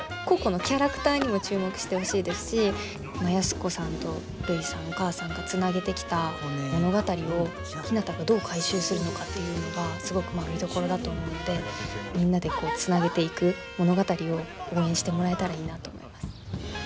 個々のキャラクターにも注目してほしいですし安子さんとるいさんお母さんがつなげてきた物語をひなたがどう回収するのかっていうのがすごく見どころだと思うのでみんなでつなげていく物語を応援してもらえたらいいなと思います。